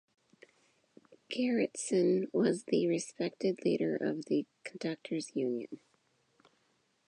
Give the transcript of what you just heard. Garretson was the respected leader of the conductors' union.